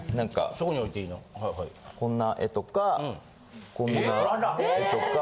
こんな絵とかこんな絵とか。